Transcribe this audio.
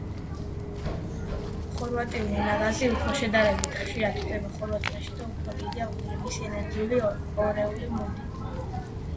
ხორვატული ნაგაზი შედარებით ხშირად გვხვდება ხორვატიაში და უფრო დიდია, ვიდრე მისი უნგრული ორეული მუდი.